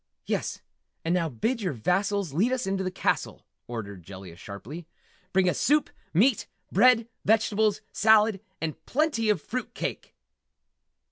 "Yes and now bid your vassals lead us into the castle!" ordered Jellia sharply. "Bring us soup, meat, bread, vegetables, salad and plenty of fruit and cake!"